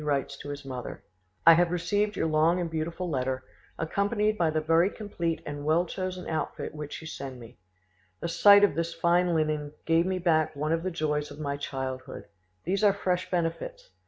On the 24th of June he writes to his mother:— "I have received your long and beautiful letter, accompanied by the very complete and well chosen outfit which you send me. The sight of this fine linen gave me back one of the joys of my childhood. These are fresh benefits.